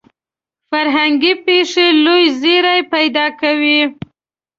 فرهنګي پېښې لوی زیری پیدا کوي.